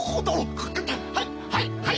はいはい！